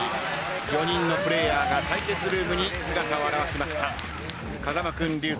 ４人のプレーヤーが対決ルームに姿を現しました。